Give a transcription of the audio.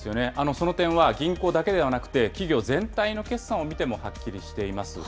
その点は銀行だけではなくて、企業全体の決算を見てもはっきりしています。